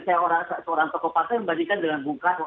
seorang tokoh tokoh yang membandingkan dengan bung kako